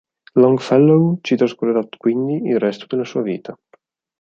Longfellow ci trascorrerà quindi il resto della sua vita.